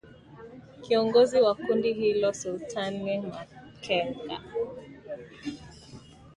Kiongozi wa kundi hilo Sultani Makenga